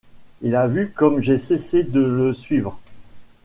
Il a vu comme j’ai cessé de le suivre.